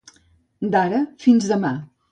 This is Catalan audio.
D'ara, fins demà.